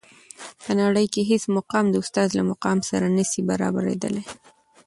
په نړۍ کي هیڅ مقام د استاد له مقام سره نسي برابري دلای.